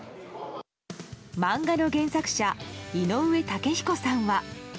漫画の原作者・井上雄彦さんは。